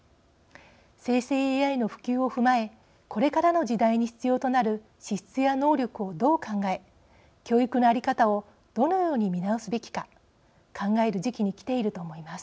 生成ＡＩの普及を踏まえこれからの時代に必要となる資質や能力をどう考え教育の在り方をどのように見直すべきか考える時期にきていると思います。